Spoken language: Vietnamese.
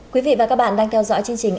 quý vị và các bạn đang theo dõi chương trình